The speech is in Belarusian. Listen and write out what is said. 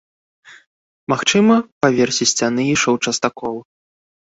Магчыма, па версе сцяны ішоў частакол.